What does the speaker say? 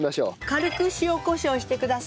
軽く塩・コショウしてください。